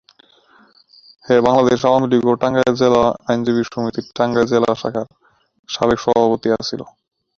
তিনি বাংলাদেশ আওয়ামী লীগ ও টাঙ্গাইল জেলা আইনজীবী সমিতির টাঙ্গাইল জেলা শাখার সাবেক সভাপতি ছিলেন।